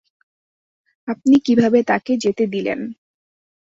আপনি কিভাবে তাকে যেতে দিলেন?